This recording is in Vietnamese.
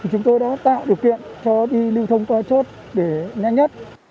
chúng tôi đã tạo điều kiện cho đi lưu thông qua chốt để nhanh nhất